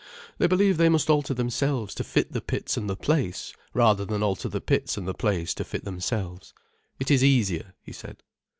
"They believe they must alter themselves to fit the pits and the place, rather than alter the pits and the place to fit themselves. It is easier," he said.